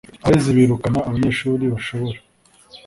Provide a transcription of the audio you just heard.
abarezi birukana abanyeshuri bashobora